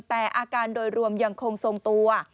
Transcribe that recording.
แต่อาการโดยรวมยังคงทรงตัว